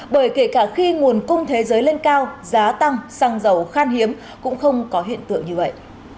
bởi kể cả khi nguồn cung thế giới lên cao giá tăng xăng dầu khan hiếm cũng không có hiện tượng như vậy